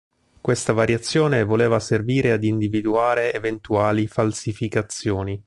Questa variazione voleva servire ad individuare eventuali falsificazioni.